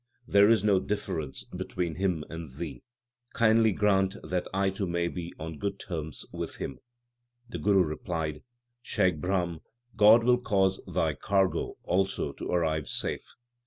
There is no difference between Him and thee. Kindly grant that I too may be on good terms with Him/ The Guru replied, Shaikh Brahm, God will cause thy cargo also to arrive safe.